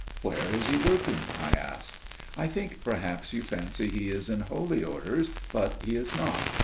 "Where is he working?" I asked. "I think perhaps you fancy he is in Holy Orders, but he is not.